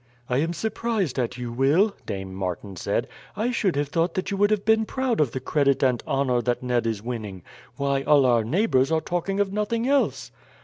"I am surprised at you, Will," Dame Martin said. "I should have thought that you would have been proud of the credit and honour that Ned is winning. Why, all our neighbours are talking of nothing else!"